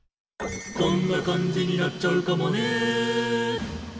「こんな感じになっちゃうかもね」